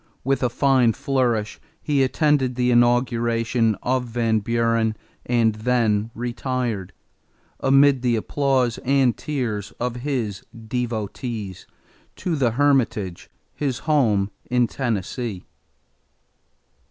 With a fine flourish, he attended the inauguration of Van Buren and then retired, amid the applause and tears of his devotees, to the Hermitage, his home in Tennessee.